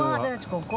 ここ。